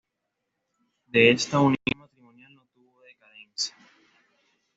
De esta unión matrimonial no tuvo descendencia.